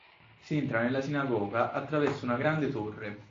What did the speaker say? Si entra nella sinagoga attraverso una grande torre.